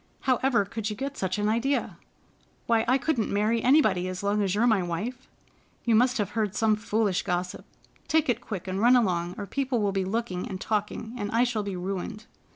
How ever could you get such an idea? Why, I couldn't marry anybody as long as you are my wife. You must have heard some foolish gossip. Take it quick and run along, or people will be looking and talking, and I shall be ruined."